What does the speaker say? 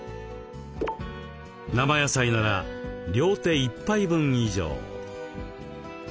生野菜なら両手いっぱい分以上。